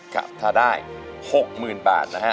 ค่ะถ้าได้๖หมื่นบาทนะฮะ